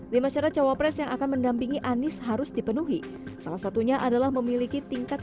lima syarat cawapres yang akan mendampingi anies harus dipenuhi salah satunya adalah memiliki tingkat